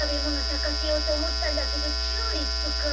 さかせようとおもったんだけどチューリップか。